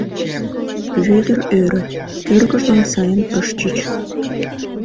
— Вӧдыр ӧрӧ, кӧргыжлан сайын ыш чуч.